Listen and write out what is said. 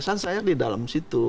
saya di dalam situ